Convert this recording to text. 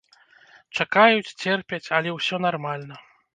Чакаюць, церпяць, але ўсё нармальна.